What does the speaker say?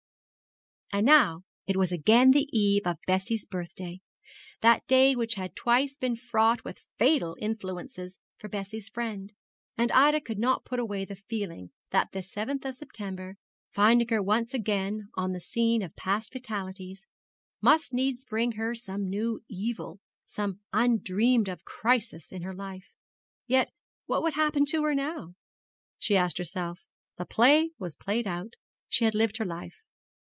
And now it was again the eve of Bessie's birthday, that day which had twice been fraught with fatal influences for Bessie's friend; and Ida could not put away the feeling that this seventh of September, finding her once again on the scene of past fatalities, must needs bring her some new evil, some undreamed of crisis in her life. Yet what would happen to her now? she asked herself. The play was played out. She had lived her life.